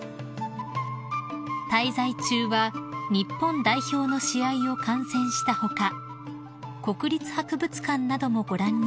［滞在中は日本代表の試合を観戦した他国立博物館などもご覧になりました］